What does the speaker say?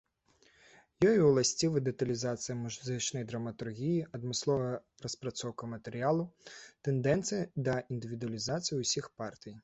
Ёй уласцівы дэталізацыя музычнай драматургіі, адмысловая распрацоўка матэрыялу, тэндэнцыя да індывідуалізацыі ўсіх партый.